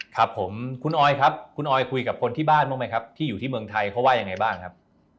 ครับผมคุณออยครับคุณออยคุยกับคนที่บ้านบ้างไหมครับที่อยู่ที่เมืองไทยเขาว่ายังไงบ้างครับ